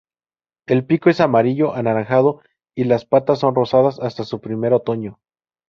El pico es amarillo anaranjado y las patas son rosadas, hasta su primer otoño.